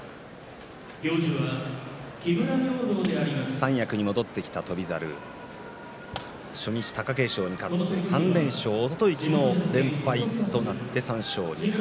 三役に戻ってきた翔猿初日に貴景勝に勝って３連勝おととい、昨日連敗となって３勝２敗。